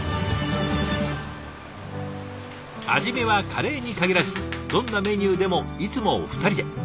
味見はカレーに限らずどんなメニューでもいつも２人で。